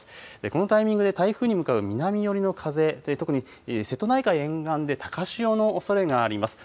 このタイミングで台風に向かう南寄りの風で、特に瀬戸内海沿岸で高潮のおそれがあります。